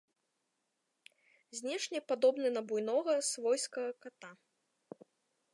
Знешне падобны на буйнога свойскага ката.